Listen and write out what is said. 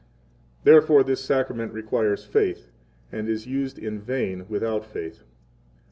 [Therefore this Sacrament requires faith, and is used in vain without faith.